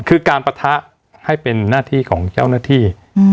คือการปะทะให้เป็นหน้าที่ของเจ้าหน้าที่